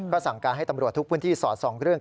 สั่งการให้ตำรวจทุกพื้นที่สอดส่องเรื่อง